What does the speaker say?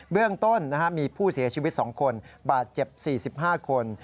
เรื่องต้นมีผู้เสียชีวิต๒คนบาดเจ็บ๔๕คน